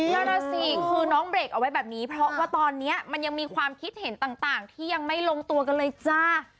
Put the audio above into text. นั่นแหละสิคือน้องเบรกเอาไว้แบบนี้เพราะว่าตอนนี้มันยังมีความคิดเห็นต่างที่ยังไม่ลงตัวกันเลยจ้า